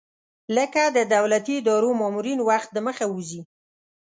لکه د دولتي ادارو مامورین وخت دمخه وځي.